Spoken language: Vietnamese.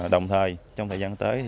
đồng thời trong thời gian tới